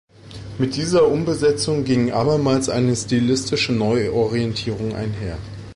Mit dieser Umbesetzung ging abermals eine stilistische Neuorientierung einher.